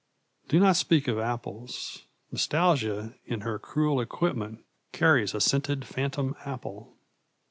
Do not speak of apples! Nostalgia in her cruel equipment carries a scented phantom apple.